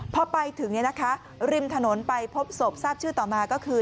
พอไปถึงริมถนนไปพบศพทราบชื่อต่อมาก็คือ